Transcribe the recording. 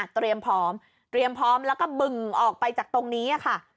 เตรียมพร้อมแล้วก็บึงออกไปจากตรงนี้ค่ะ